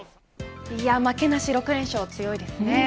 負けなし６連勝、強いですね。